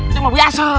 itu mah biasa